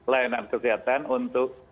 layanan kesehatan untuk